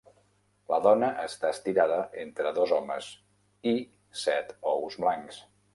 La dona està estirada entre dos homes i set ous blancs.